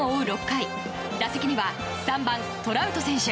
６回打席には３番、トラウト選手。